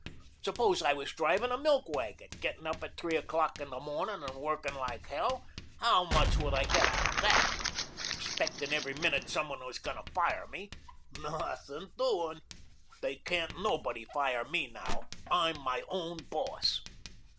Suppose I was drivin' a milk wagon, gettin' up at t'ree o'clock in the mornin' and workin' like hell how much would I get out of dat? Expectin' every minute some one was goin' tuh fire me. Nuthin' doin' dey can't nobody fire me now. I'm my own boss."